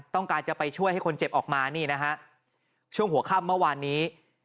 ต้องการจะไปช่วยให้คนเจ็บออกมานี่นะฮะช่วงหัวค่ำเมื่อวานนี้